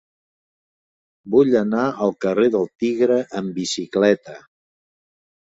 Vull anar al carrer del Tigre amb bicicleta.